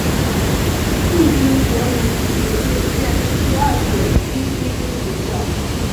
陆军国民警卫队建立第二所狙击兵学校。